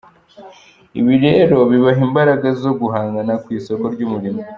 Ibi rero bibaha imbaraga zo guhangana ku isoko ry’umurimo.